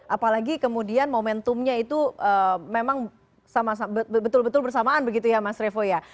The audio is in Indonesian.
apalagi kemudian momentumnya itu memang betul betul bersamaan begitu ya mas revo ya